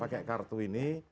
pakai kartu ini